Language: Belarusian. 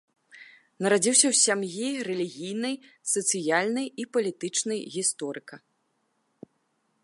Нарадзіўся ў сям'і рэлігійнай, сацыяльнай і палітычнай гісторыка.